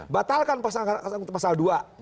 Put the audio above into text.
batalkan pasal dua